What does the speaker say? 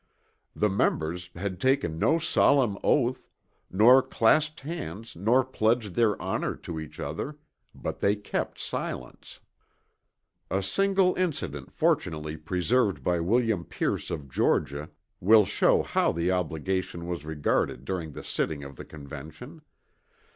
The members had taken no solemn oath, nor clasped hands nor pledged their honor to each other, but they kept silence. A single incident fortunately preserved by William Pierce of Georgia will show how the obligation was regarded during the sitting of the Convention.